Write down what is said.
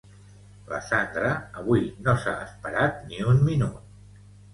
La Sandra avui no s'ha esperat ni un minut